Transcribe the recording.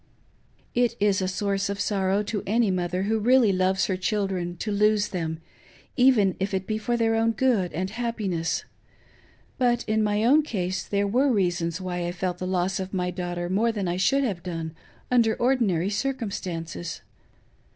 It is a source of sorrow to any mother who really loves her children to lose them, even if it be for their own good and happiness ; but in my own case there were reasons why I felt the loss of my daughter more than I should have done under Ordinary circunistances.